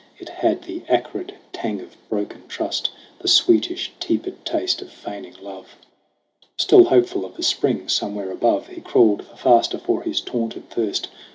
It had the acrid tang of broken trust, The sweetish, tepid taste of feigning love ! Still hopeful of a spring somewhere above, He crawled the faster for his taunted thirst.